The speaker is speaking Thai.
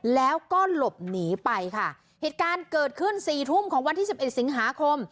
แล้วก็หลบหนีไปค่ะเหตุการณ์เกิดขึ้นสี่ทุ่มของวันที่สิบเอ็ดสิงหาคม